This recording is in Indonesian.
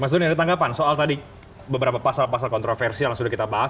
mas doni ada tanggapan soal tadi beberapa pasal pasal kontroversial yang sudah kita bahas